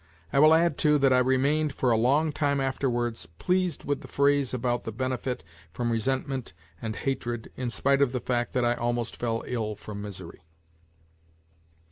I will add, too, that I remained for a long time afterwards pleased with the phrase about the benefit from resentment and hatred in spite of the fact that I almost fell ill from misery.